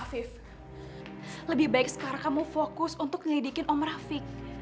afif lebih baik sekarang kamu fokus untuk ngelidikin om rafiq